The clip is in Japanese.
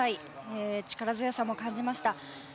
力強さも感じました。